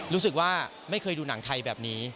รู้สึกว่าไม่เคยดูหนังไทยแบบนี้